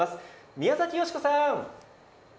宮崎美子さん。